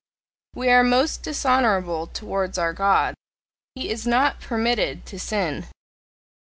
We are most dishonourable towards our God: he is not PERMITTED to sin.